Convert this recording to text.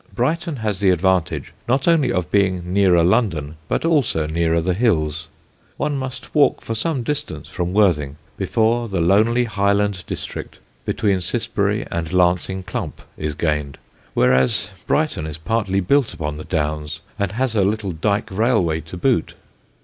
Brighton has the advantage not only of being nearer London but also nearer the hills. One must walk for some distance from Worthing before the lonely highland district between Cissbury and Lancing Clump is gained, whereas Brighton is partly built upon the Downs and has her little Dyke Railway to boot.